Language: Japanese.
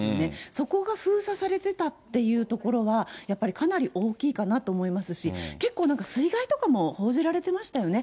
そこが封鎖されてたっていうところは、やっぱりかなり大きいかなと思いますし、結構なんか水害とかも報じられてましたよね。